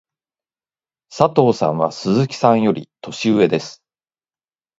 佐藤さんは鈴木さんより年上です。